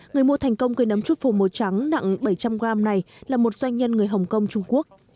người mua thành công cây nấm trút phủ màu trắng nặng bảy trăm linh gram này là một doanh nhân người hồng kông trung quốc